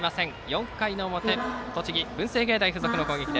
４回の表栃木・文星芸大付属の攻撃。